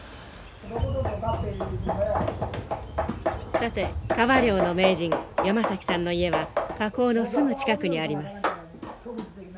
さて川漁の名人山崎さんの家は河口のすぐ近くにあります。